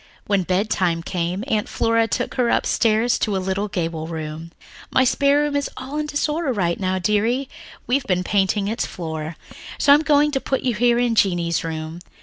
When bedtime came, Aunt Flora took her upstairs to a little gable room. "My spare room is all in disorder just now, dearie, we have been painting its floor. So I'm going to put you here in Jeannie's room.